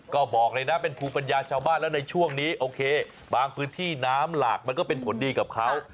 ก็บอกเลยนะเป็นภูมิปัญญาชาวบ้านแล้วในช่วงนี้โอเคบางพื้นที่น้ำหลากมันก็เป็นผลดีกับเขา